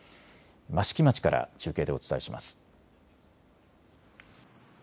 益城町から中継でお伝えします。